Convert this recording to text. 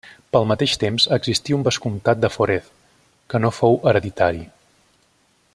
Pel mateix temps existí un vescomtat de Forez que no fou hereditari.